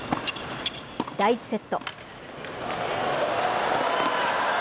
第１セット。